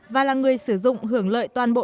và là người sử dụng hưởng lợi toàn bộ